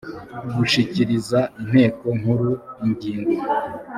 gushyikiriza inteko nkuru ingingo